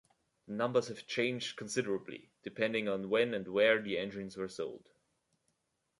The numbers have changed considerably, depending on when and where the engines were sold.